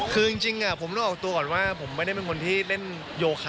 คือจริงผมต้องออกตัวก่อนว่าผมไม่ได้เป็นคนที่เล่นโยคะ